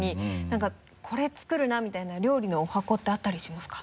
何かこれ作るなみたいな料理のおはこってあったりしますか？